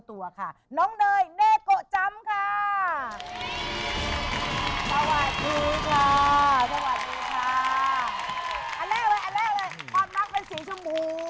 ความรักเป็นสีชมพู